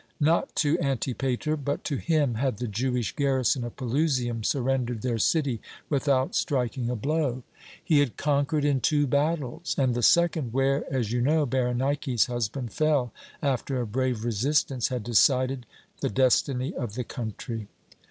Not to Antipater, but to him, had the Jewish garrison of Pelusium surrendered their city without striking a blow. He had conquered in two battles; and the second, where, as you know, Berenike's husband fell after a brave resistance, had decided the destiny of the country.